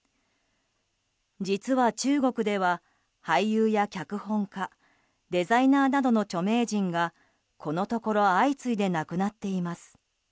実は、中国では俳優や脚本家デザイナーなどの著名人がこのところ相次いで亡くなっています。